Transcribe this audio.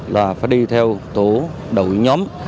là phải đi theo tổ đổi nhóm